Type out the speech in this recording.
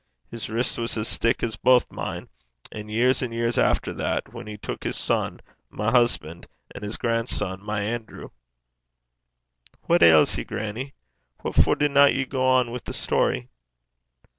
His shackle bane (wrist) was as thick as baith mine; and years and years efter that, whan he tuik his son, my husband, and his grandson, my Anerew ' 'What ails ye, grannie? What for dinna ye gang on wi' the story?'